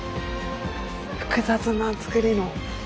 複雑なつくりの。